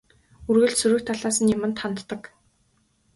Үргэлж сөрөг талаас нь юманд ханддаг.